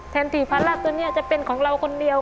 แทนที่ภาระตัวนี้จะเป็นของเราคนเดียว